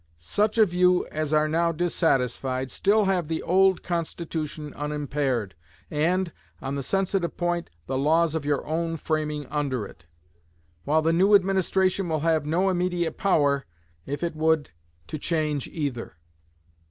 Such of you as are now dissatisfied still have the old Constitution unimpaired, and, on the sensitive point, the laws of your own framing under it; while the new administration will have no immediate power, if it would, to change either.